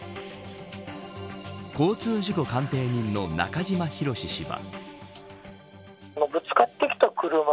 交通事故鑑定人の中島博史氏は。